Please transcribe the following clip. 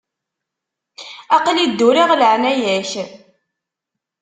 Aql-i dduriɣ leɛnaya-k.